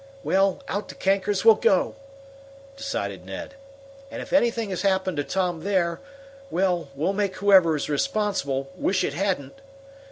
"Well, out to Kanker's we'll go!" decided Ned. "And if anything has happened to Tom there well, we'll make whoever is responsible wish it hadn't!"